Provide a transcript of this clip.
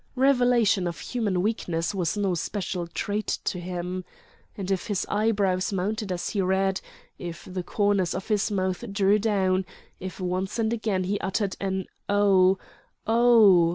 Revelation of human weakness was no special treat to him. And if his eyebrows mounted as he read, if the corners of his mouth drew down, if once and again he uttered an "_Oh! oh!